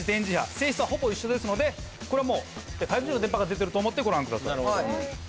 性質はほぼ一緒ですのでこれはもう５Ｇの電波が出ていると思ってご覧ください。